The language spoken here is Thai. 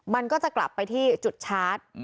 มันก็จะกลับไปที่จุดชาร์จ